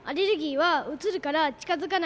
はい。